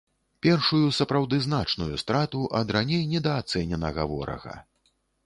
Першую сапраўды значную страту ад раней недаацэненага ворага.